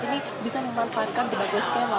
tapi di sini bisa memanfaatkan berbagai skema